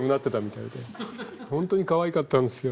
本当にかわいかったんですよ。